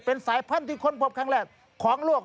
เป็นสายพันธุ์ที่ค้นพบครั้งแรกของโลก